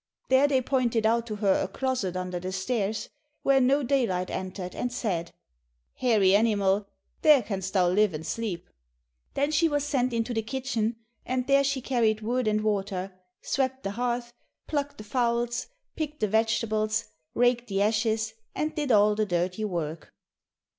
There they pointed out to her a closet under the stairs, where no daylight entered, and said, "Hairy animal, there canst thou live and sleep." Then she was sent into the kitchen, and there she carried wood and water, swept the hearth, plucked the fowls, picked the vegetables, raked the ashes, and did all the dirty work.